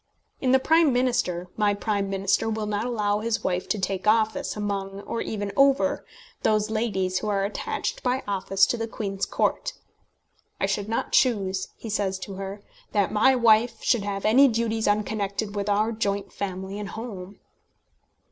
In The Prime Minister, my Prime Minister will not allow his wife to take office among, or even over, those ladies who are attached by office to the Queen's court. "I should not choose," he says to her, "that my wife should have any duties unconnected with our joint family and home."